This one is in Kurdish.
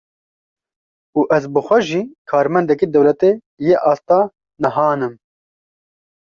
Û ez bi xwe jî karmendekî dewletê yê asta nehan im.